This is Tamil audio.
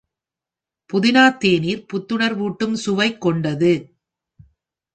புதினா தேநீர் புத்துணர்வூட்டும் சுவைக் கொண்டது.